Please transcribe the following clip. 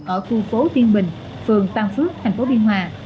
ở khu phố tiên bình phường tam phước thành phố biên hòa